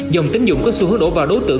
dòng tín dụng có xu hướng đổ vào đối tượng